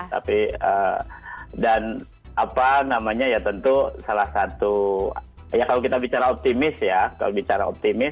tapi dan apa namanya ya tentu salah satu ya kalau kita bicara optimis ya kalau bicara optimis